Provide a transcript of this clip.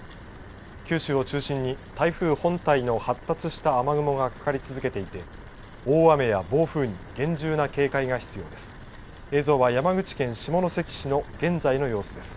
九州を中心に台風本体の発達した雨雲がかかり続けていて、大雨や暴風に厳重な警戒が必要です。